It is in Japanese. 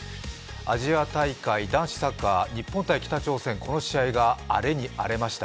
アジア大会・男子サッカー日本×北朝鮮、この試合が荒れに荒れました。